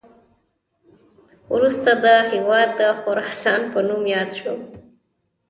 وروسته دا هیواد د خراسان په نوم یاد شو